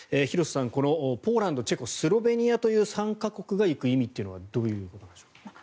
廣瀬さん、このポーランドチェコ、スロベニアという３か国が行く意味というのはどういうことでしょう。